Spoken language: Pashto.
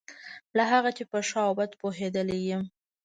له هغه چې په ښه او بد پوهېدلی یم.